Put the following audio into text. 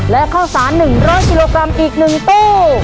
และข้าวสาร๑๐๐กิโลกรัมอีก๑ตู้